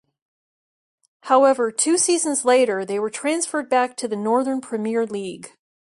However, two seasons later, they were transferred back to the Northern Premier League.